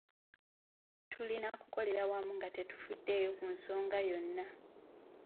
Tulina kukolera wamu nge tetufuddeeyo ku nsonga yonna.